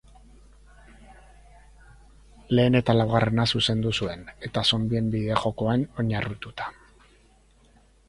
Lehen eta laugarrena zuzendu zuen eta zonbien bideojokoan oinarrituta.